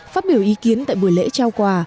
phát biểu ý kiến tại buổi lễ trao quà